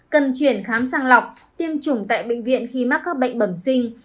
cần chuyển khám sang lọc tiêm chủng tại bệnh viện khi mắc các bệnh bẩm sinh